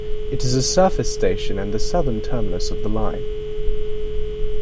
It is a surface station and the southern terminus of the line.